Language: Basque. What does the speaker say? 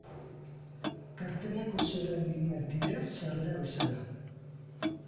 Kartelak oso erabiliak dira sarrera bezala.